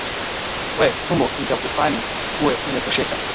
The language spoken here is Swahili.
We tumbo nitakupani, uwe umetosheka?